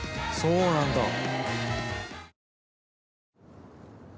そうなんだ。